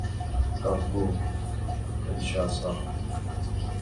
Congo - کنشاسا